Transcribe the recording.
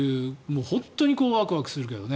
本当にワクワクするけどね。